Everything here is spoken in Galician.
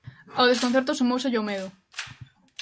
Ao desconcerto sumóuselle o medo.